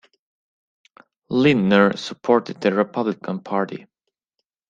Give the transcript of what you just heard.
Lindner supported the Republican Party.